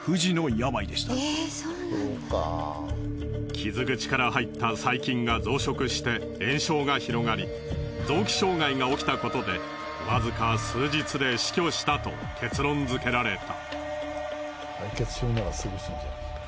傷口から入った細菌が増殖して炎症が広がり臓器障害が起きたことでわずか数日で死去したと結論付けられた。